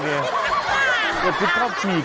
คุณชอบฉีกคุณชิสา